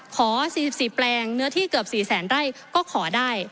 ขอ๔๔แปลงเนื้อที่เกือบ๔แสนไร่ก็ขอได้